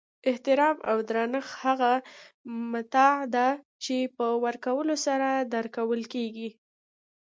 احترام او درنښت هغه متاع ده چی په ورکولو سره درکول کیږي